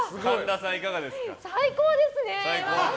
最高ですね！